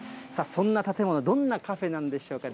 そんな建物、どんなカフェなんでしょうか。